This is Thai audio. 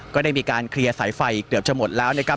ก็ได้มีการเคลียร์สายไฟเกือบจะหมดแล้วนะครับ